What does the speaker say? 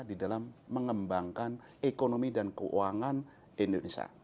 di dalam mengembangkan ekonomi dan keuangan indonesia